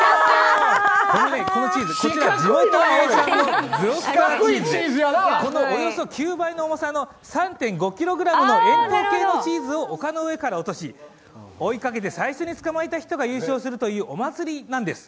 このチーズ、地元名産のグロスターチーズでこのおよそ９倍の重さの３．５ｋｇの円筒形のチーズを丘の上から落とし、追いかけて最初に捕まえた人が優勝するというお祭りなんです。